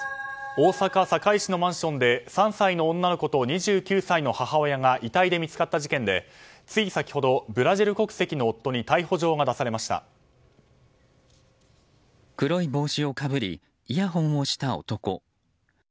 大阪・堺市のマンションで３歳の女の子と２９歳の母親が遺体で見つかった事件でつい先ほど、ブラジル国籍の夫に黒い帽子をかぶりイヤホンをした男。